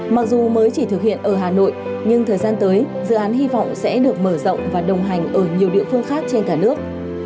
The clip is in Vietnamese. mặc dù mới chỉ thực hiện ở hà nội nhưng thời gian tới dự án hy vọng sẽ được mở rộng và đồng hành ở nhiều địa phương khác trên cả nước